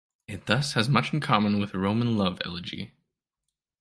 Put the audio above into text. It thus has much in common with Roman love elegy.